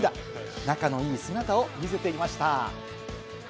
仲の良い姿を見せていました。